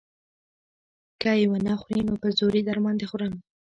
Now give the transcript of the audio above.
که يې ونه خورې نو په زور يې در باندې خورم.